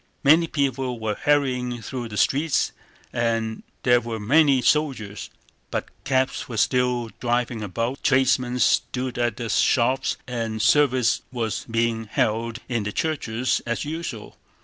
Many people were hurrying through the streets and there were many soldiers, but cabs were still driving about, tradesmen stood at their shops, and service was being held in the churches as usual.